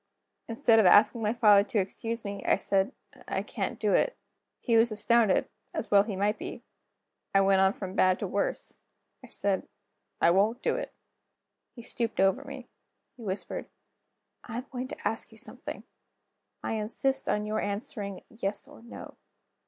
Instead of asking my father to excuse me, I said: "I can't do it." He was astounded, as well he might be. I went on from bad to worse. I said: "I won't do it." He stooped over me; he whispered: "I am going to ask you something; I insist on your answering, Yes or No."